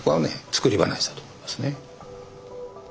作り話だと思いますね。